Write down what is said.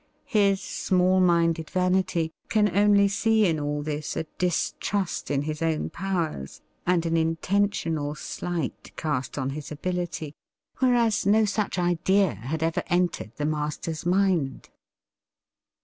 His small minded vanity can only see in all this a distrust in his own powers and an intentional slight cast on his ability, whereas no such idea had ever entered the master's mind.